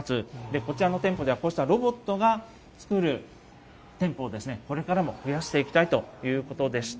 こちらの店舗ではこうしたロボットが作る店舗をこれからも増やしていきたいということでした。